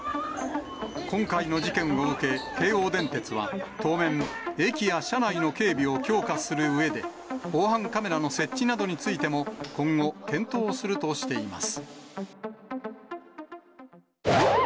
今回の事件を受け、京王電鉄は当面、駅や車内の警備を強化するうえで、防犯カメラの設置などについても、今後、検討するとしています。